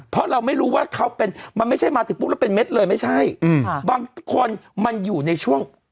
เพราะเราไม่รู้ว่าเขาเป็นมันไม่ใช่มาถึงปุ๊บแล้วเป็นเม็ดเลยไม่ใช่บางคนมันอยู่ในช่วง